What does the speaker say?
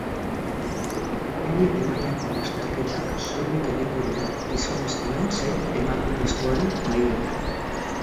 Elite mailako lasterketak soilik egingo dira, gizonezkoen zein emakumezkoen mailetan.